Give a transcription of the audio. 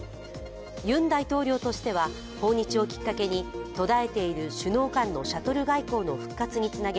ユン大統領としては訪日をきっかけに途絶えている首脳間のシャトル外交の復活につなげ、